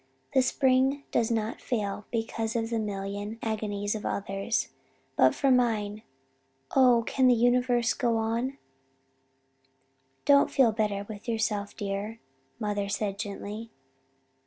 The spring does not fail because of the million agonies of others but for mine oh, can the universe go on?' "'Don't feel bitter with yourself, dear,' mother said gently.